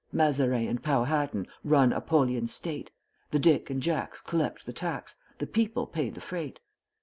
Mazarin And Powhatan Run Apollyon's state. The Dick and Jacks Collect the tax The people pay the freight.